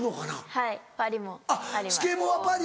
はい。